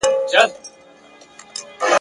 نه غازي نه څوک شهید وي نه جنډۍ پکښي کتار کې ..